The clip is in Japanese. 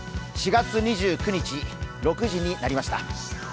４月２９日、６時になりました。